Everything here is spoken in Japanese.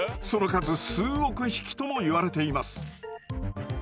その数数億匹ともいわれています。